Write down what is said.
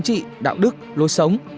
chính trị đạo đức lối sống